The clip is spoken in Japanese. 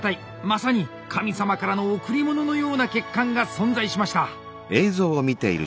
まさに神様からの贈り物のような血管が存在しました！